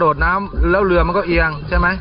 ดน้ำแล้วเรือมันก็เอียงใช่ไหม